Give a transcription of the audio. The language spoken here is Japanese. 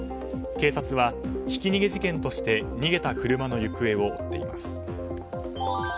警察はひき逃げ事件として逃げた車の行方を追っています。